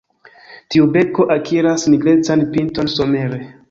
Tiu beko akiras nigrecan pinton somere.